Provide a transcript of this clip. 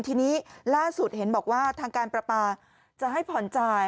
ทีนี้ล่าสุดเห็นบอกว่าทางการประปาจะให้ผ่อนจ่าย